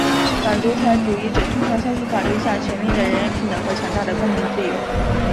反独裁主义者通常相信法律下全面的人人平等的和强大的公民自由。